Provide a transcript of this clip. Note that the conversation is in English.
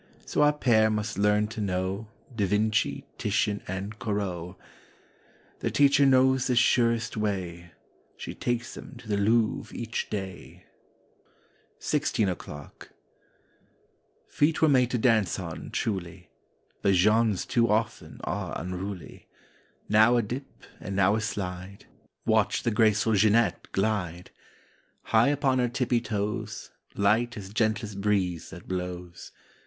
So our pair must learn to know Da Vinci, Titian and Corot. Their teacher knows the surest way: She takes them to the Louvre each day. 37 i FIFTEEN O'CLOCK 39 SIXTEEN O'CLOCK F eet were made to dance on, truly; But Jean's too often are unruly. Now a dip and now a slide— Watch the graceful Jeanette glide! High upon her tippy toes, Light as gentlest breeze that blows.